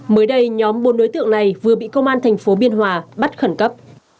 mới đây nhóm bốn đối tượng này vừa bị công an thành phố biên hòa bắt khẩn cấp